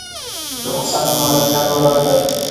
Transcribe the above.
اقتصاد په مالي چارو ولاړ دی.